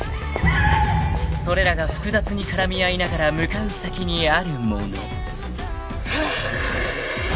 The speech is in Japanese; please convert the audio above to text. ［それらが複雑に絡み合いながら向かう先にあるもの］あ！